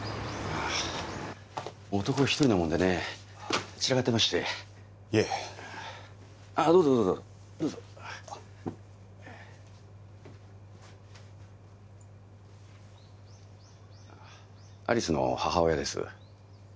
男一人なもんでね散らかってましていえああどうぞどうぞどうぞ有栖の母親です